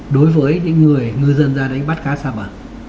đối với những người ngư dân ra đánh bắt khá xa bờ